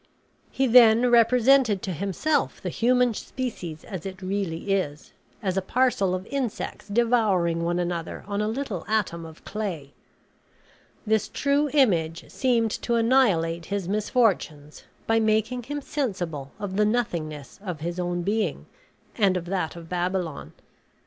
He then represented to himself the human species as it really is, as a parcel of insects devouring one another on a little atom of clay. This true image seemed to annihilate his misfortunes, by making him sensible of the nothingness of his own being, and of that of Babylon.